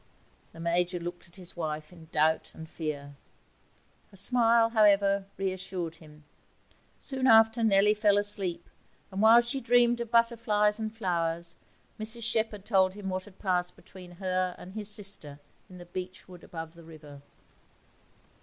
The Major looked at his wife in doubt and fear; her smile, however, reassured him. Soon after, Nellie fell asleep, and while she dreamed of butterflies and flowers Mrs Shepherd told him what had passed between her and his sister in the beechwood above the river.